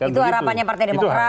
itu harapannya partai demokrasi